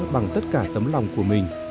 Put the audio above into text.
bằng tất cả tấm lòng của mình